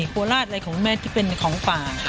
ของปลาร้าอะไรของแม่ที่เป็นของฝ่า